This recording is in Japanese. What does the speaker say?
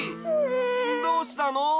どうしたの？